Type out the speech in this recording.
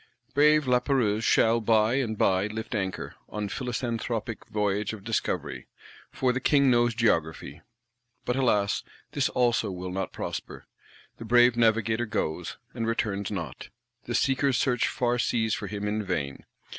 Brave Lapérouse shall by and by lift anchor, on philanthropic Voyage of Discovery; for the King knows Geography. But, alas, this also will not prosper: the brave Navigator goes, and returns not; the Seekers search far seas for him in vain.